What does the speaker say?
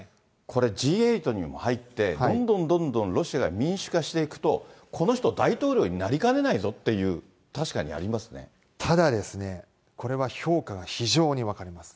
これ、Ｇ８にも入って、どんどんどんどんロシアが民主化していくと、この人、大統領になりかねないぞっていう、ただですね、これは評価が非常に分かれます。